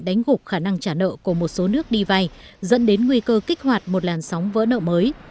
đánh gục khả năng trả nợ của một số nước đi vay dẫn đến nguy cơ kích hoạt một làn sóng vỡ nợ mới